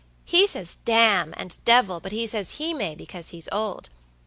He says damn and devil, but he says he may because he's old.